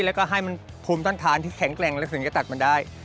แล้วก็ให้มันภูมิต้านทานที่แข็งแกร่งแล้วถึงจะตัดมันได้